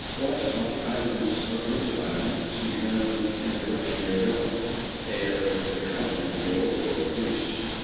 What are the islands or groups of islands to be found in the direction we are going, ere the continent of the Old World is reached?